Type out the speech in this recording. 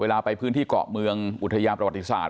เวลาไปพื้นที่เกาะเมืองอุทยาประวัติศาสต